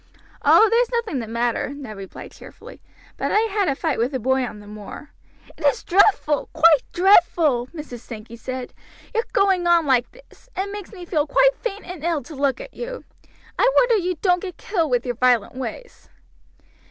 "Oh! there's nothing the matter," Ned replied cheerfully; "but I had a fight with a boy on the moor." "It is dreadful! quite dreadful!" Mrs. Sankey said; "your going on like this. It makes me feel quite faint and ill to look at you. I wonder you don't get killed with your violent ways."